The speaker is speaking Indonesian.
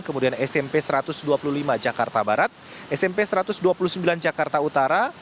kemudian smp satu ratus dua puluh lima jakarta barat smp satu ratus dua puluh sembilan jakarta utara